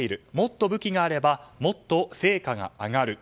もっと武器があればもっと成果が上がる。